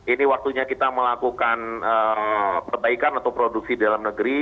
ini waktunya kita melakukan perbaikan atau produksi dalam negeri